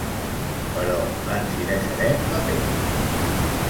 Però ens hi deixarem la pell.